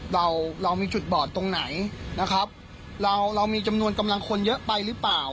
เราเรามีจุดบอดตรงไหนนะครับเราเรามีจำนวนกำลังคนเยอะไปหรือเปล่า